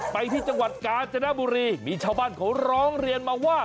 ไปที่จังหวัดกาญจนบุรีมีชาวบ้านเขาร้องเรียนมาว่า